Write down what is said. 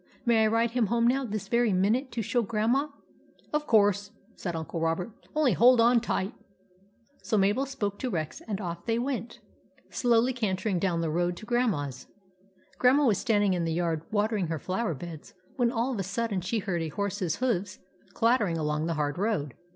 May I ride him home now, this very minute, to show Grandma ?"" Of course," said Uncle Robert " Only hold on tight." So Mabel spoke to Rex and off they 26 THE ADVENTURES OF MABEL went, slowly cantering down the road to Grandma's. Grandma was standing in the yard water ing her flower beds, when all of a sudden she heard a horse's hoofs clattering along the hard road.